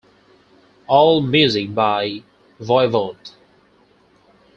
All music by Voivod.